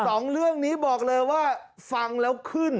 สองเรื่องนี้บอกเลยว่าฟังแล้วขึ้น